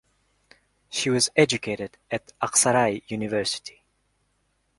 She was educated at Aksaray University.